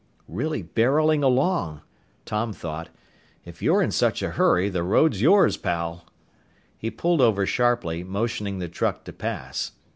"Really barreling along!" Tom thought. "If you're in such a hurry, the road's yours, pal." He pulled over sharply, motioning the truck to pass.